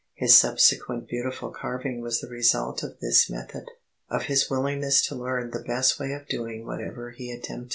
His subsequent beautiful carving was the result of this method, of his willingness to learn the best way of doing whatever he attempted.